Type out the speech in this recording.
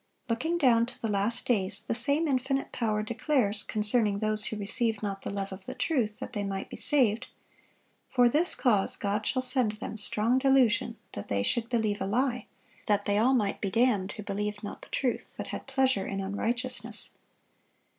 (714) Looking down to the last days, the same Infinite Power declares, concerning those who ""received not the love of the truth, that they might be saved," "For this cause God shall send them strong delusion, that they should believe a lie: that they all might be damned who believed not the truth, but had pleasure in unrighteousness."